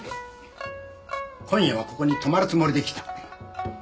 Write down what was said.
今夜はここに泊まるつもりで来た。